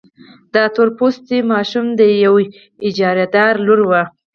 دا تور پوستې ماشومه د يوې اجارهدارې لور وه.